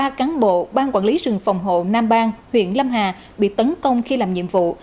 ba cán bộ ban quản lý rừng phòng hộ nam bang huyện lâm hà bị tấn công khi làm nhiệm vụ